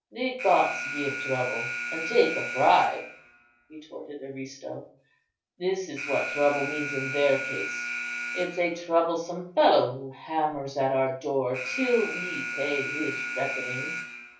"The Goths give trouble, and take a bribe," retorted Aristo; "this is what trouble means in their case: it's a troublesome fellow who hammers at our door till we pay his reckoning.